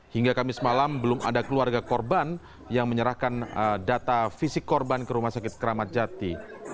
hingga kamis malam belum ada keluarga korban yang menyerahkan data fisik korban ke rumah sakit keramat jati